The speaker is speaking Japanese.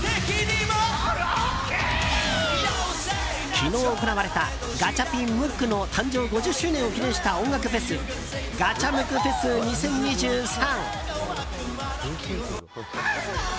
昨日行われたガチャピン・ムックの誕生５０周年を記念した音楽フェスガチャムクフェス２０２３。